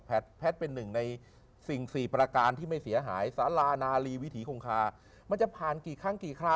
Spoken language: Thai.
แพทย์เป็นหนึ่งในสิ่งสี่ประการที่ไม่เสียหายสารานาลีวิถีคงคามันจะผ่านกี่ครั้งกี่ครา